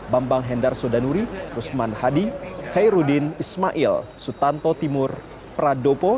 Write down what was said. bambang hendar sodanuri usman hadi khairudin ismail sutanto timur pradopo